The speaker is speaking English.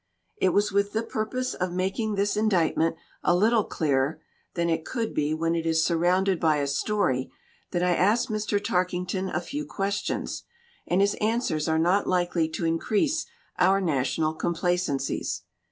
It was with the purpose of making this indict ment a little clearer than it could be when it is surrounded by a story, that I asked Mr. Tarking ton a few questions. And his answers are not likely to increase our national complacencies.